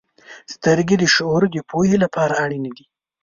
• سترګې د شعور د پوهې لپاره اړینې دي.